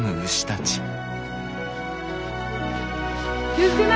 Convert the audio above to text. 気を付けな。